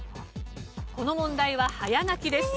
この問題は早書きです。